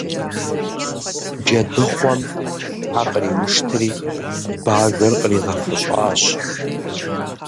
Джэдыхъуэм хьэ къриуштри Бажэр къригъэфыщӀащ.